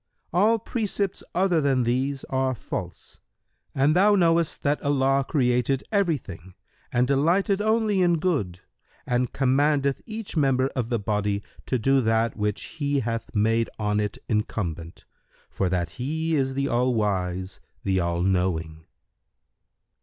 All precepts other than these are false, and thou knowest that Allah created every thing and delighteth only in Good and commandeth each member of the body to do that which He hath made on it incumbent, for that He is the All wise, the All knowing."